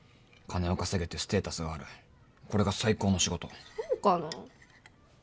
金を稼げてステータスがあるこれが最高の仕事そうかな？